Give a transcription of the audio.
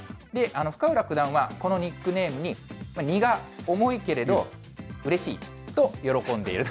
深浦九段は、このニックネームに荷が重いけれどうれしいと喜んでいると。